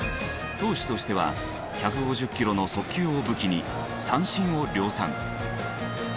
投手としては１５０キロの速球を武器に三振を量産。